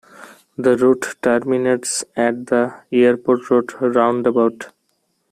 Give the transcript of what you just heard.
The route terminates at the "Airport Road Roundabout".